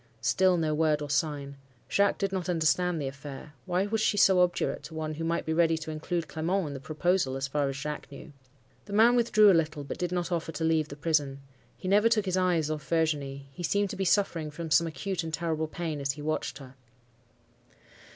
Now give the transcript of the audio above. "Still no word or sign. Jacques did not understand the affair. Why was she so obdurate to one who might be ready to include Clement in the proposal, as far as Jacques knew? "The man withdrew a little, but did not offer to leave the prison. He never took his eyes off Virginie; he seemed to be suffering from some acute and terrible pain as he watched her.